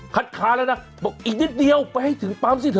ค้าแล้วนะบอกอีกนิดเดียวไปให้ถึงปั๊มสิเ